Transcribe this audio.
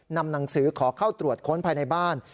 นำหนังสือขอเข้าตรวจค้นภายในบ้าน